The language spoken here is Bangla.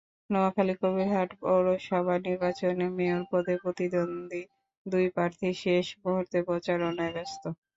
নোয়াখালীর কবিরহাট পৌরসভা নির্বাচনে মেয়র পদে প্রতিদ্বন্দ্বী দুই প্রার্থী শেষ মুহূর্তের প্রচারণায় ব্যস্ত।